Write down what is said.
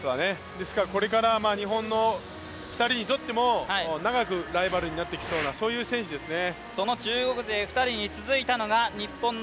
ですからこれから日本の２人にとっても長くライバルになってきそうな選手ですね。